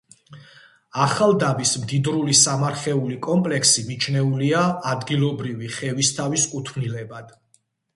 ახალდაბის მდიდრული სამარხეული კომპლექსი მიჩნეულია ადგილობრივი ხევისთავის კუთვნილებად.